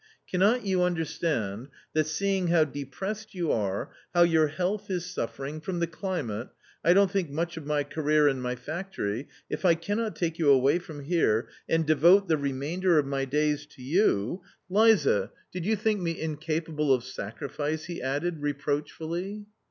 " Cannot you understand that, seeing how depressed you are, how your health is suffering .... from the climate, I \ don't think much of my career and my factory, if I cannot \ take you away from here, and devote the remainder of my 1 days to you ..•. Liza ! did you think me incapable of sacrifice ?" he added, reproachfully.